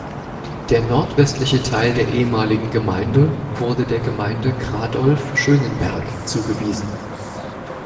Der nordwestliche Teil der ehemaligen Gemeinde wurde der Gemeinde Kradolf-Schönenberg zugewiesen.